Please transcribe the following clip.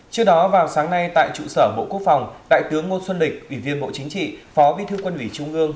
trước đó vào sáng nay tại trụ sở bộ quốc phòng đại tướng ngô xuân lịch ủy viên bộ chính trị phó bí thư quân ủy trung ương